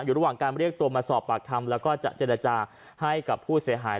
อยู่ระหว่างการเรียกตัวมาสอบปากคำแล้วก็จะเจรจาให้กับผู้เสียหาย